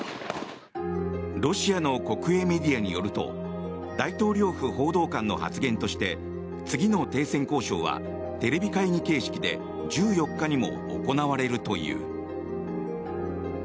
ロシアの国営メディアによると大統領府報道官の発言として次の停戦交渉はテレビ会議形式で１４日も行われるという。